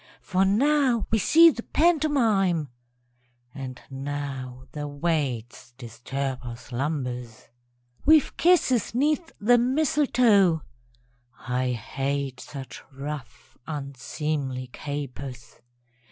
_) For now we see the pantomime, (And now the waits disturb our slumbers.) We've kisses 'neath the mistletoe (_I hate such rough, unseemly capers!